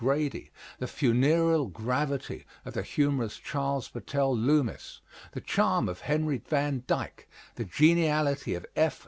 Grady, the funereal gravity of the humorous Charles Battell Loomis, the charm of Henry Van Dyke, the geniality of F.